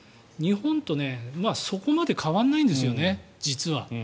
日本とそこまで変わらないんですよね実は。